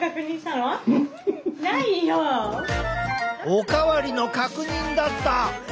おかわりの確認だった！